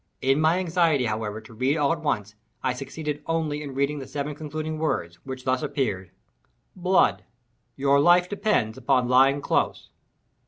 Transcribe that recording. In my anxiety, however, to read all at once, I succeeded only in reading the seven concluding words, which thus appeared—"blood—your life depends upon lying close."